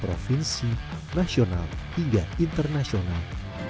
provinsi nasional hingga internasional